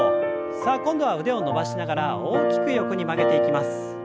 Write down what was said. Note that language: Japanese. さあ今度は腕を伸ばしながら大きく横に曲げていきます。